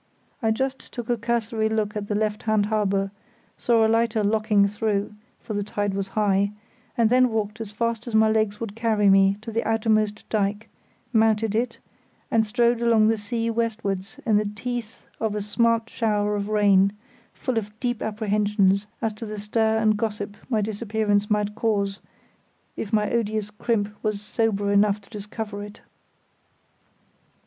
I just took a cursory look at the left hand harbour, saw a lighter locking through (for the tide was high), and then walked as fast as my legs would carry me to the outermost dyke, mounted it, and strode along the sea westwards in the teeth of a smart shower of rain, full of deep apprehensions as to the stir and gossip my disappearance might cause if my odious crimp was sober enough to discover it.